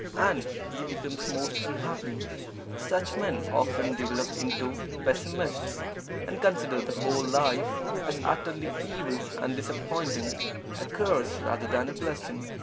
And he becomes most unhappy. Such men often develop into Pessimists, and consider the whole of life as utterly evil and disappointing a curse rather than a blessing.